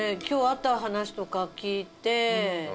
今日あった話とか聞いて。